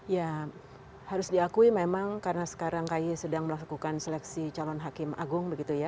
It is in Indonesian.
ya harus diakui memang karena sekarang kayi sedang melakukan seleksi calon hakim agung